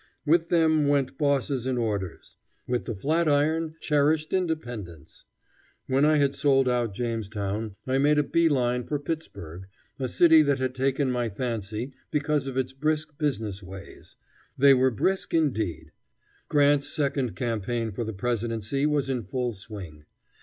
With them went bosses and orders; with the flat iron cherished independence. When I had sold out Jamestown, I made a bee line for Pittsburg, a city that had taken my fancy because of its brisk business ways. They were brisk indeed. Grant's second campaign for the Presidency was in full swing.